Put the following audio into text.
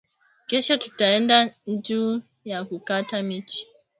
Kesho tutendatu nju ya kukata michi